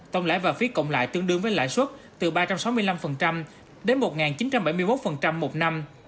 tổng lãi và phí cộng lại tương đương với lãi suất từ ba trăm sáu mươi năm đến một chín trăm bảy mươi một một năm